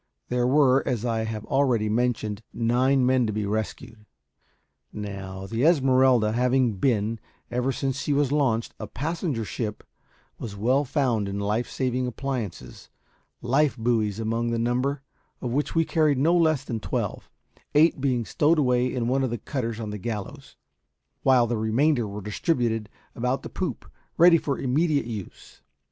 There were, as I have already mentioned, nine men to be rescued. Now, the Esmeralda having been, ever since she was launched, a passenger ship, was well found in life saving appliances, life buoys among the number, of which we carried no less than twelve; eight being stowed away in one of the cutters on the gallows, while the remainder were distributed about the poop, ready for immediate use.